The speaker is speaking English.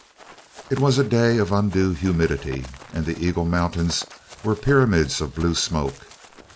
It was a day of undue humidity and the Eagle Mountains were pyramids of blue smoke.